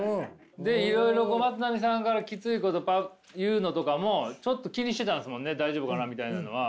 でいろいろまつなみさんからきついこと言うのとかもちょっと気にしてたんですもんね大丈夫かなみたいなのは。